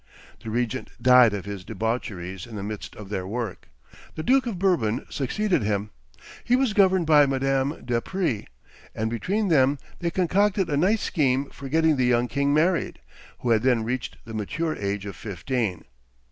The regent died of his debaucheries in the midst of their work. The Duke of Bourbon succeeded him; he was governed by Madame de Prie; and between them they concocted a nice scheme for getting the young king married, who had then reached the mature age of fifteen.